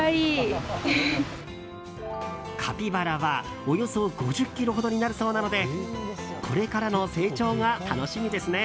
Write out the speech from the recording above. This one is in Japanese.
カピバラはおよそ５０ｋｇほどにもなるそうなのでこれからの成長が楽しみですね。